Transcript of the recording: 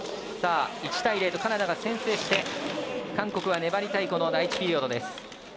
１対０とカナダが先制して韓国は粘りたい第１ピリオド。